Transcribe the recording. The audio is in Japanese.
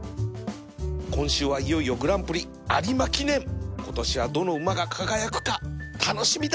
今週はいよいよグランプリ有馬記念今年はどの馬が輝くか楽しみだ！